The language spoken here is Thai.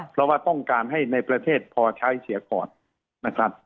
เพราะว่าต้องการให้ในประเทศพอใช้เสียก่อนนะครับ